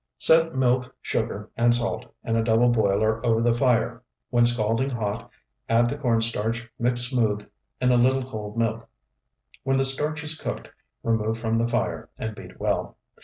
Set milk, sugar, and salt in double boiler over the fire; when scalding hot, add the corn starch mixed smooth in a little cold milk. When the starch is cooked, remove from the fire, and beat well.